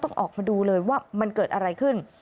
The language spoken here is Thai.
ต้องออกมาดูเลยว่ามันเกิดอะไรขึ้น